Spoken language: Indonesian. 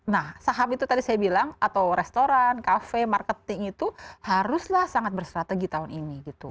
nah saham itu tadi saya bilang atau restoran kafe marketing itu haruslah sangat bersrategi tahun ini gitu